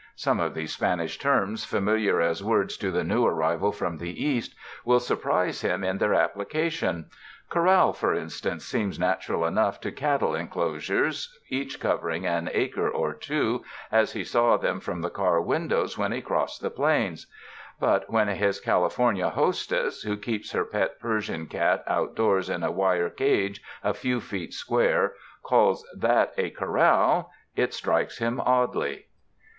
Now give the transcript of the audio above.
Some of these Span ish terms familiar as words to the new arrival from the East, will surprise him in their application. "Corral" for instance, seems natural enough to cattle enclosures each covering an acre or two, as he saw them from the car windows when he crossed the plains; but when his California hostess who keeps her pet Persian cat outdoors in a wire cage a few feet square caUs that a corral, it strikes him oddly.